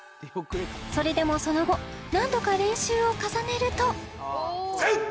それでもその後何度か練習を重ねると気をつけ！